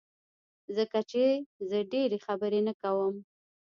ځکه چي زه ډيری خبری نه کوم